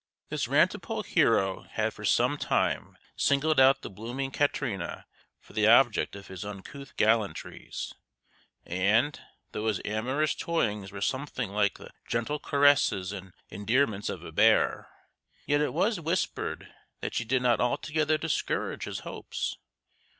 This rantipole hero had for some time singled out the blooming Katrina for the object of his uncouth gallantries, and, though his amorous toyings were something like the gentle caresses and endearments of a bear, yet it was whispered that she did not altogether discourage his hopes.